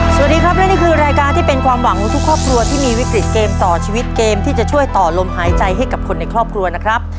สวัสดีครับและนี่คือรายการที่เป็นความหวังของทุกครอบครัวที่มีวิกฤตเกมต่อชีวิตเกมที่จะช่วยต่อลมหายใจให้กับคนในครอบครัวนะครับ